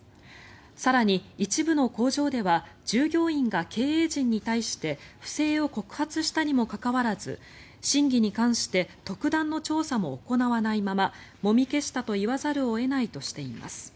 更に、一部の工場では従業員が経営陣に対して不正を告発したにもかかわらず審議に関して特段の調査も行わないままもみ消したと言わざるを得ないとしています。